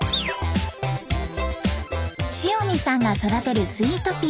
塩見さんが育てるスイートピー